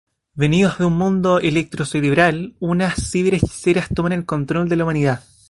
Venidos de un mundo electro-cerebral, unas ciber hechiceras toman el control de la humanidad.